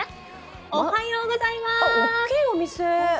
おはようございまーす！